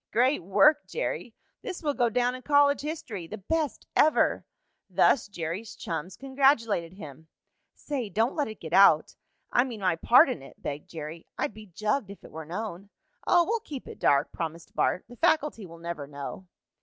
"Great work, Jerry!" "This will go down in college history!" "The best ever!" Thus Jerry's chums congratulated him. "Say, don't let it get out I mean my part in it!" begged Jerry. "I'd be jugged if it were known." "Oh, we'll keep it dark," promised Bart. "The faculty will never know."